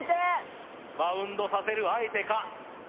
バウンドさせるあえてか？